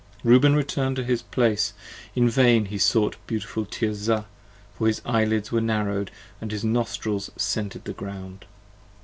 p. 36 REUBEN return'd to his place, in vain he sought beautiful Tirzah, For his Eyelids were narrow'd, & his Nostrils scented the ground.